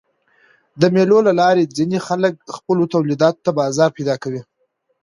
د مېلو له لاري ځيني خلک خپلو تولیداتو ته بازار پیدا کوي.